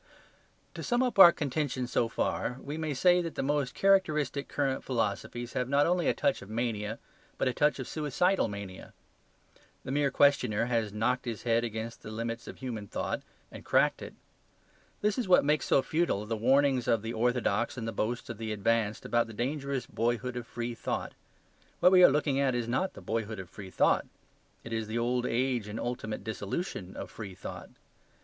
To sum up our contention so far, we may say that the most characteristic current philosophies have not only a touch of mania, but a touch of suicidal mania. The mere questioner has knocked his head against the limits of human thought; and cracked it. This is what makes so futile the warnings of the orthodox and the boasts of the advanced about the dangerous boyhood of free thought. What we are looking at is not the boyhood of free thought; it is the old age and ultimate dissolution of free thought.